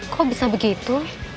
kok bisa begitu